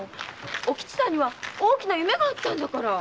お吉さんには大きな夢があったんだから！